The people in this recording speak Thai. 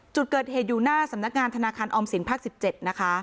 จุดเกิดเหตุอยู่หน้าสำนักงานธนาคารออมสินภาค๑๗นะคะ